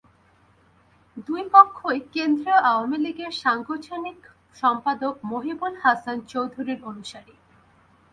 দুই পক্ষই কেন্দ্রীয় আওয়ামী লীগের সাংগঠনিক সম্পাদক মহিবুল হাসান চৌধুরীর অনুসারী।